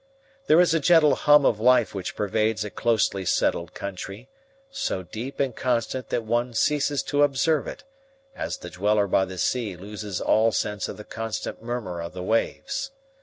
There is a gentle hum of life which pervades a closely settled country, so deep and constant that one ceases to observe it, as the dweller by the sea loses all sense of the constant murmur of the waves.